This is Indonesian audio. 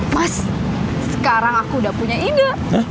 mas sekarang aku udah punya ide